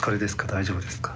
大丈夫ですか？